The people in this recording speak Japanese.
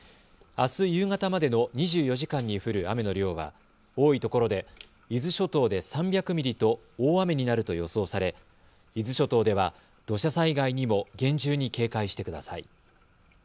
あす夕方までの２４時間に降る雨の量は多いところで伊豆諸島で３００ミリと大雨になると予想され伊豆諸島では土砂災害にも厳重に警戒してください。